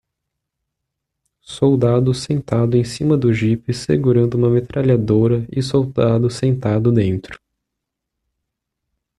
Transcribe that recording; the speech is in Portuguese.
Soldado sentado em cima do jipe segurando uma metralhadora e soldado sentado dentro.